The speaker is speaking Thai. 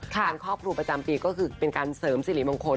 การครอบครูประจำปีก็คือเป็นการเสริมสิริมงคล